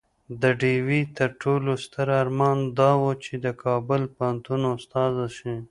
د ډيوې تر ټولو ستر ارمان دا وو چې د کابل پوهنتون استاده شي